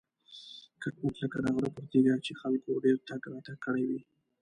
کټ مټ لکه د غره پر تیږه چې خلکو ډېر تګ راتګ کړی وي.